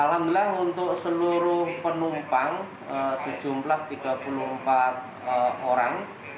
alhamdulillah untuk seluruh penumpang sejumlah tiga puluh empat orang